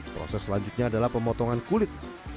proses selanjutnya adalah pemotongan kulit